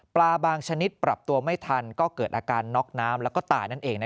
บางชนิดปรับตัวไม่ทันก็เกิดอาการน็อกน้ำแล้วก็ตายนั่นเอง